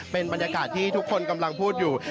เป็นบรรยากาศที่ทุกคนกำลังพูดอยู่